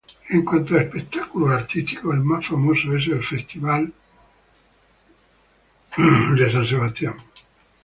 En cuanto a espectáculos artísticos, el más famoso es el festival Lost Weekend.